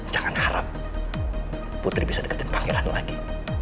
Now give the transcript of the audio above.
jangan harap putri bisa dekatin pangeran lagi